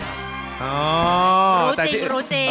รู้จริงรู้จริง